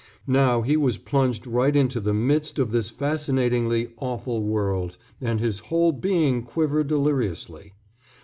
Now he was plunged right into the midst of this fascinatingly awful world, and his whole being quivered deliriously.